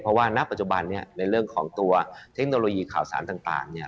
เพราะว่าณปัจจุบันนี้ในเรื่องของตัวเทคโนโลยีข่าวสารต่างเนี่ย